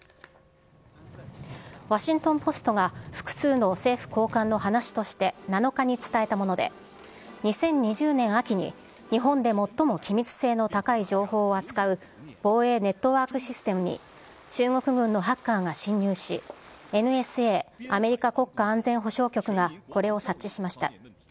ワシントン・ポストが複数の政府高官の話として７日に伝えたもので、２０２０年秋に日本で最も機密性の高い情報を扱う、防衛ネットワークシステムに、中国軍のハッカーが侵入し、ＮＳＡ・アメリカ国家安全保障局がこれを察知しました。